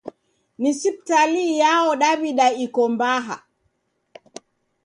Ni sipitali iyao Daw'ida iko mbaha?